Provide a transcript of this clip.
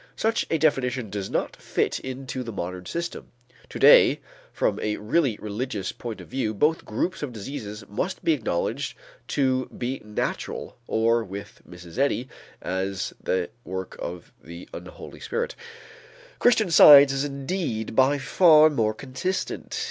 Such a definition does not fit into the modern system. To day from a really religious point of view, both groups of diseases must be acknowledged to be natural or with Mrs. Eddy, as the work of the unholy spirit. Christian Science is indeed by far more consistent.